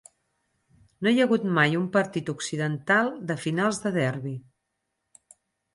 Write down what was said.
No hi ha hagut mai un partit occidental de finals de Derby.